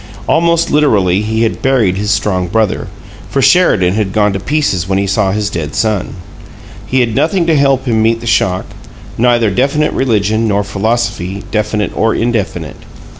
Almost literally he had buried his strong brother, for Sheridan had gone to pieces when he saw his dead son. He had nothing to help him meet the shock, neither definite religion nor "philosophy" definite or indefinite.